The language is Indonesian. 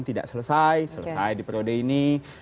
tidak selesai selesai di periode ini